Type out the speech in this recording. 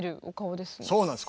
そうなんです。